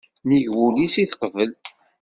Nnig wul-is i t-teqbel.